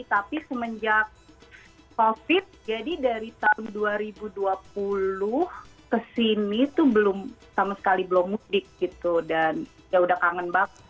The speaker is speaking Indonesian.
tapi semenjak covid jadi dari tahun dua ribu dua puluh ke sini itu belum sama sekali belum mudik gitu dan ya udah kangen banget